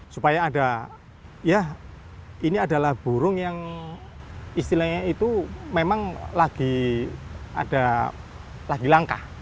supaya ada ya ini adalah burung yang istilahnya itu memang lagi ada lagi langkah